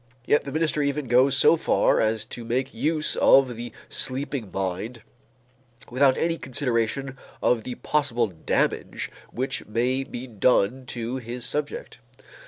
Yet the minister even goes so far as to make use of the sleeping mind without any consideration of the possible damage which may be done to his subject.